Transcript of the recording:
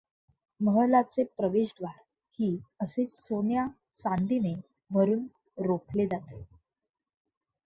महालाचे प्रवेशद्वार ही असेच सोन्या चांदीने भरून रोखले जाते.